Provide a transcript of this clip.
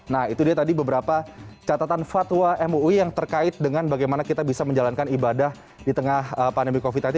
nah itu dia tadi beberapa catatan fatwa mui yang terkait dengan bagaimana kita bisa menjalankan ibadah di tengah pandemi covid sembilan belas